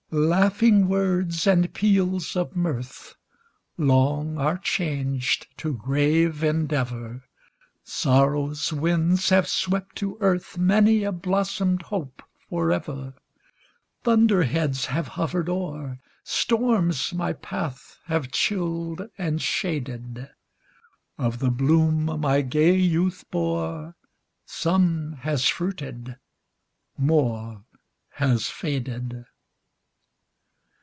"Laughing words and peals of mirth, Long are changed to grave endeavor; Sorrow's winds have swept to earth Many a blossomed hope forever. Thunder heads have hovered o'er Storms my path have chilled and shaded; Of the bloom my gay youth bore, Some has fruited more has faded."